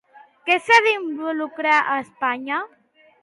En què s'ha d'involucrar Espanya?